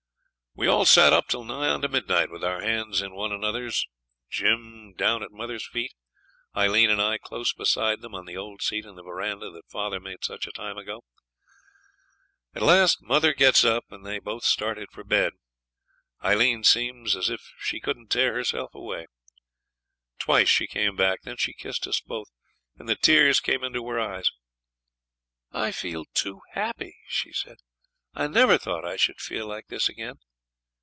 We all sat up till nigh on to midnight with our hands in one another's Jim down at mother's feet; Aileen and I close beside them on the old seat in the verandah that father made such a time ago. At last mother gets up, and they both started for bed. Aileen seemed as if she couldn't tear herself away. Twice she came back, then she kissed us both, and the tears came into her eyes. 'I feel too happy,' she said; 'I never thought I should feel like this again.